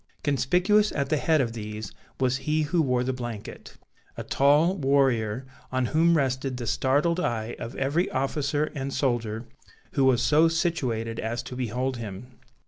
Conspicuous at the head of these was he who wore the blanket; a tall warrior on whom rested the startled eye of every officer and soldier who was so situated as to behold him.